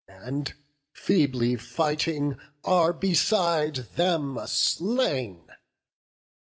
And, feebly fighting, are beside them slain.